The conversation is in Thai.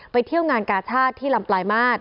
เที่ยวงานกาชาติที่ลำปลายมาตร